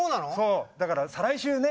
だから再来週ね。